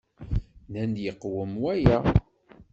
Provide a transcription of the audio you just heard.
Nnan-d yeqwem waya.